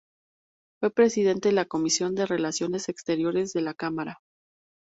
Fue presidente de la Comisión de Relaciones Exteriores de la Cámara.